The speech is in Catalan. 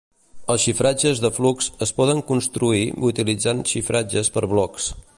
Els xifratges de flux es poden construir utilitzant xifratges per blocs.